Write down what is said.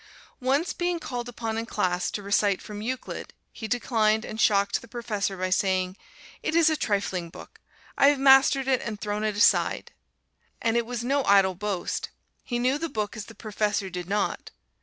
Once, being called upon in class to recite from Euclid, he declined and shocked the professor by saying, "It is a trifling book I have mastered it and thrown it aside." And it was no idle boast he knew the book as the professor did not.